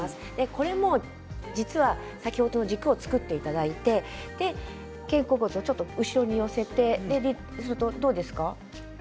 これも実は先ほどの軸を作っていただいて肩甲骨をちょっと後ろに寄せてするとどうですか？